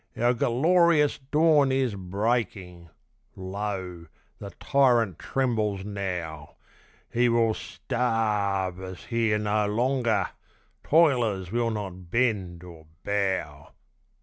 Our gerlorious dawn is breaking! Lo! the tyrant trembles now! He will sta a rve us here no longer! toilers will not bend or bow!